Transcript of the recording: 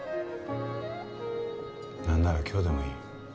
なんなら今日でもいい。